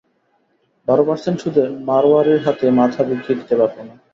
বারো পার্সেন্ট সুদে মাড়োয়ারির হাতে মাথা বিকিয়ে দিতে পারব না।